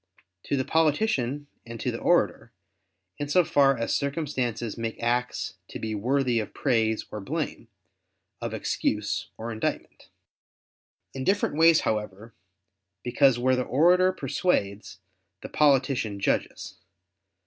To the politician and to the orator, in so far as circumstances make acts to be worthy of praise or blame, of excuse or indictment. In different ways, however: because where the orator persuades, the politician judges.